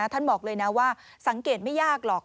ท่านบอกเลยนะว่าสังเกตไม่ยากหรอก